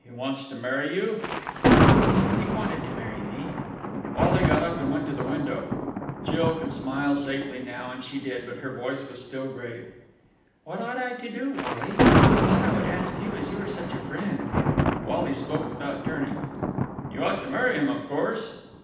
"He wants to marry you?" "He said he wanted to marry me." Wally got up and went to the window. Jill could smile safely now, and she did, but her voice was still grave. "What ought I to do, Wally? I thought I would ask you as you are such a friend." Wally spoke without turning. "You ought to marry him, of course."